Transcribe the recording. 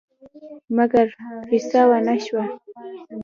مګر فیصه ونه شوه.